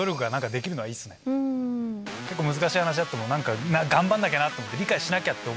結構難しい話あっても頑張んなきゃなと思って。